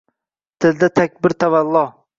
Tilda takbir-tavallo